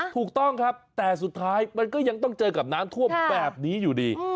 ถูกต้องครับแต่สุดท้ายมันก็ยังต้องเจอกับน้ำท่วมแบบนี้อยู่ดี